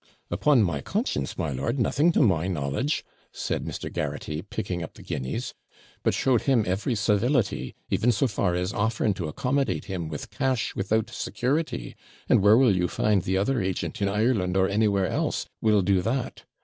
'Upon my conscience, my lord, nothing to my knowledge,' said Mr. Garraghty, picking up the guineas; 'but showed him every civility, even so far as offering to accommodate him with cash without security; and where will you find the other agent, in Ireland or anywhere else, will do that?